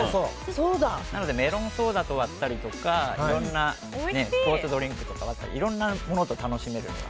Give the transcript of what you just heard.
なのでメロンソーダと割ったりとかいろんなスポーツドリンクとかと割ったりとかいろいろなものと楽しめるので。